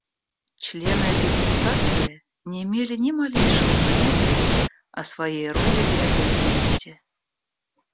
Члены этой депутации не имели ни малейшего понятия о своей роли и обязанности.